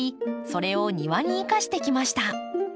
それを庭に生かしてきました。